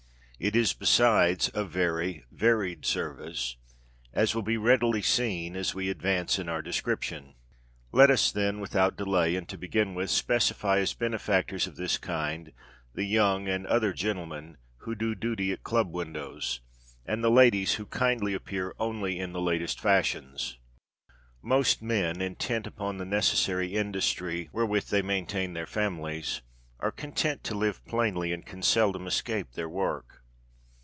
It is, besides, a very varied service, as will be readily seen as we advance in our description. Let us, then, without delay, and to begin with, specify as benefactors of this kind the young and other gentlemen who do duty at club windows, and the ladies who kindly appear only in the latest fashions. Most men, intent upon the necessary industry wherewith they maintain their families, are content to live plainly, and can seldom escape their work.